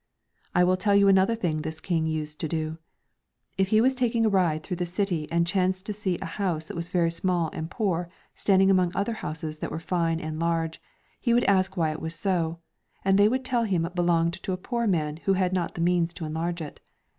'' I will tell you another thing this King used to do. If he was taking a ride through the city and chanced to see a house that was very small and poor standing among other houses that were fine and large, he would ask why it was so, and they would tell him it belonged to a poor man who had not the means to enlarge it.